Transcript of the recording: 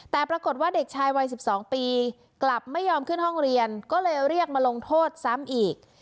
แต่ปรากฏว่าเด็กชายวัย๑๒ปีกลับไม่ยอมขึ้นห้องเรียนก็เลยเรียกมาลงโทษซ้ำอีก